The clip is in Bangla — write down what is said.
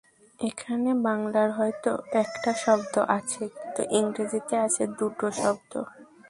এখানে বাংলায় হয়তো একটা শব্দ আছে কিন্তু ইংরেজিতে আছে দুটো শব্দ।